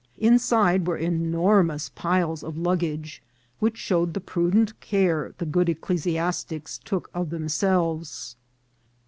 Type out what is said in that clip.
Inside were enormous piles of luggage, which showed the prudent care the good ecclesiastics took of themselves.